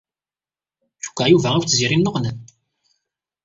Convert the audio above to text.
Cukkeɣ Yuba akked Tiziri nnuɣnan.